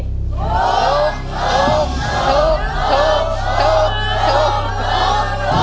ถูกถูกถูกถูกถูก